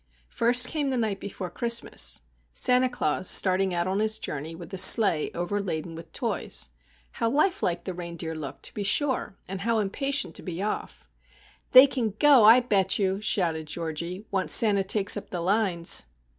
First came "The Night before Christmas":—Santa Claus starting out on his journey with a sleigh overladen with toys. How life like the reindeer looked, to be sure! and how impatient to be off! "They can go, I bet you!" shouted Georgie, "once Santa takes up the lines."